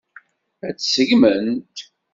Ad tt-seggment?